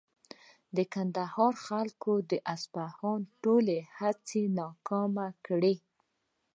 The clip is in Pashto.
د کندهار خلکو د اصفهان ټولې هڅې ناکامې کړې.